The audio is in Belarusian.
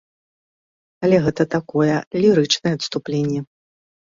Але гэта такое лірычнае адступленне.